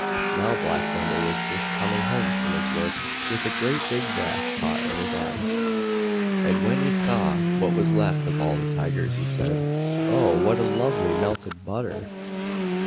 Now Black Jumbo was just coming home from his work, with a great big brass pot in his arms, and when he saw what was left of all the Tigers he said, "Oh! what lovely melted butter!